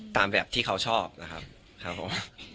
ตามแบบที่เขาชอบนะครับครับผม